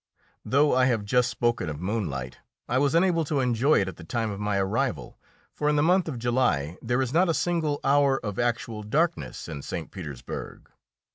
Though I have just spoken of moonlight, I was unable to enjoy it at the time of my arrival, for in the month of July there is not a single hour of actual darkness in St. Petersburg.